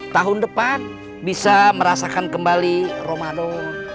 tahun depan bisa merasakan kembali ramadan